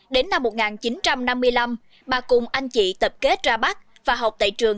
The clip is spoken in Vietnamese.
đến năm một nghìn chín trăm năm mươi năm bà cùng anh chị tập kết ra bắc và học tại trường